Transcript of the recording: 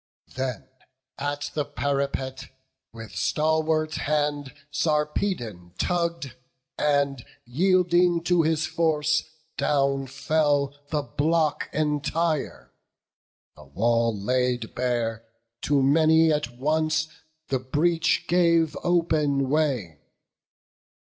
Then at the parapet, with stalwart hand, Sarpedon tugg'd; and yielding to his force Down fell the block entire; the wall laid bare, To many at once the breach gave open way.